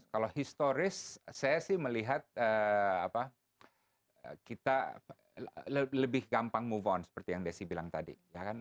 kalau historis saya sih melihat kita lebih gampang move on seperti yang desi bilang tadi